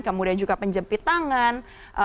kemudian juga penjepit tangan